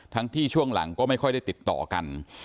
ที่ช่วงหลังก็ไม่ค่อยได้ติดต่อกัน